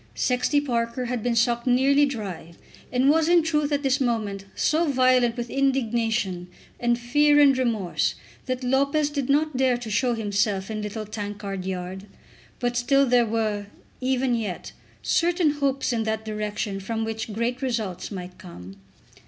Sexty Parker had been sucked nearly dry, and was in truth at this moment so violent with indignation and fear and remorse that Lopez did not dare to show himself in Little Tankard Yard; but still there were, even yet, certain hopes in that direction from which great results might come.